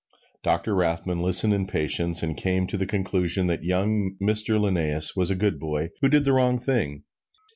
Doctor Rothman listened in patience and came to the conclusion that young Mr. Linnæus was a good boy who did the wrong thing.